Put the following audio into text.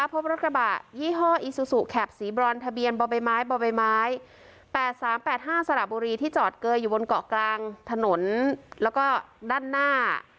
พบรถกระบะยี่ห้ออีซูซูแคปสีบรอนทะเบียนบ่อใบไม้บ่อใบไม้๘๓๘๕สระบุรีที่จอดเกยอยู่บนเกาะกลางถนนแล้วก็ด้านหน้า